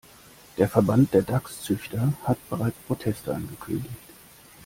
Der Verband der Dachszüchter hat bereits Proteste angekündigt.